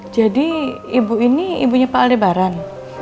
jadi ibu ini ibunya pak aldebaran